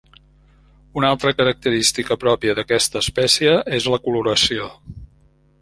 Una altra característica pròpia d'aquesta espècie és la coloració.